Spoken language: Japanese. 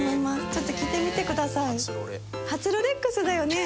ちょっと聞いてみてください。